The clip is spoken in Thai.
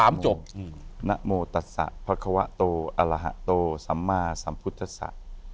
นอมโมตัสสะภัคควะโตอรหะโตสัมมาสัมพุทธศะ